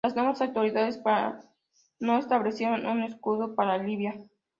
Las nuevas autoridades no establecieron un escudo para Libia.